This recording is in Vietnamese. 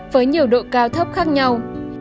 với nhiều độ cao thấp khác nhau